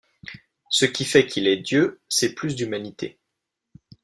Ce qui fait qu’il est dieu, c’est plus d’humanité.